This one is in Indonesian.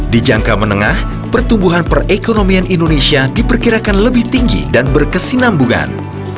di jangka menengah pertumbuhan perekonomian indonesia diperkirakan lebih tinggi dan berkesinambungan